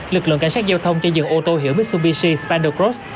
lực lượng cảnh sát giao thông cho dựng ô tô hiểu mitsubishi spandau cross